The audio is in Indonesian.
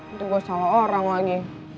nanti gue salah orang lagi